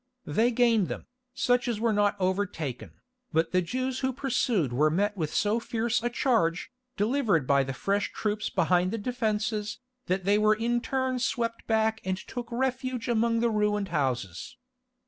They gained them, such as were not overtaken, but the Jews who pursued were met with so fierce a charge, delivered by the fresh troops behind the defences, that they were in turn swept back and took refuge among the ruined houses.